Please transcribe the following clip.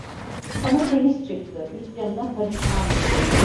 Kanı temiz çıktı, üst yanına karışmam. dedi.